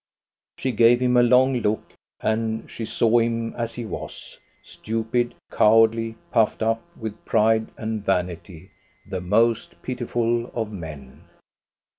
She gave him a long look. And she saw him as he was, — stupid, cowardly, puffed up with pride and vanity, the most pitiful of men.